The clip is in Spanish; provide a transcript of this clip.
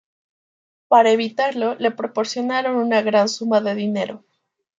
Para evitarlo, le proporcionaron una gran suma de dinero.